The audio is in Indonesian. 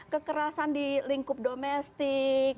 kekerasan di lingkup domestik